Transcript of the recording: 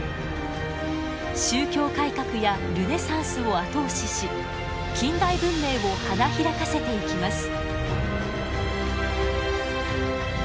宗教改革やルネサンスを後押しし近代文明を花開かせていきます。